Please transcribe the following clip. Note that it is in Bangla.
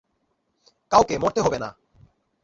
কাউকে মরতে হবে না।